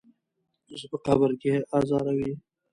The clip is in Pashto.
زه په قبر کې ازاروي.